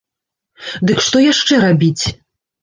Дык што яшчэ рабіць?